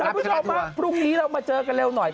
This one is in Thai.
คุณผู้ชมครับพรุ่งนี้เรามาเจอกันเร็วหน่อย